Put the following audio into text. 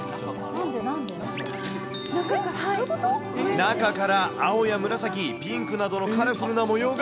中から青や紫、ピンクなどのカラフルな模様が。